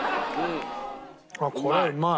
あっこれうまい！